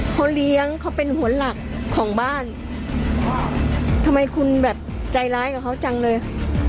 เขาเลี้ยงเขาเป็นหัวหลักของบ้านทำไมคุณแบบใจร้ายกับเขาจังเลย